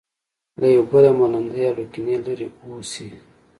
له یو بله منندوی او له کینې لرې اوسي.